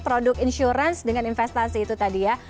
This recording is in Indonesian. produk insurance dengan investasi itu tadi ya